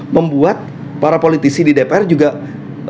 membuat para politisi di dpr juga